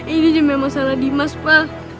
ini aja memang salah limas pak